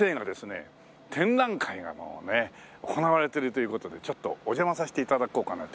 展覧会が行われているという事でちょっとお邪魔させて頂こうかなと。